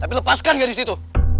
tapi lepaskan dia disitu